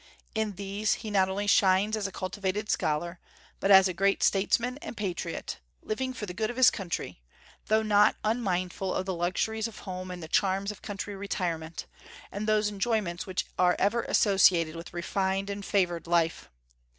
In these he not only shines as a cultivated scholar, but as a great statesman and patriot, living for the good of his country, though not unmindful of the luxuries of home and the charms of country retirement, and those enjoyments which are ever associated with refined and favored life.